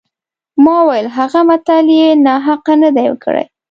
ما وویل هغه متل یې ناحقه نه دی کړی.